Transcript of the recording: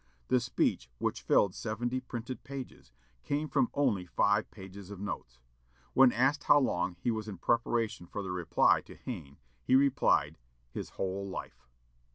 The speech, which filled seventy printed pages, came from only five pages of notes. When asked how long he was in preparation for the reply to Hayne, he answered, his "whole life."